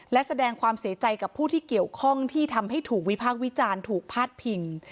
และแสดงความเสียใจกับผู้ที่เกี่ยวข้องที่ทำให้ถูกวิพากษ์วิจารณ์ถูกพาดพิง